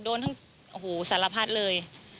โดนทั้งสารพัฒน์เลย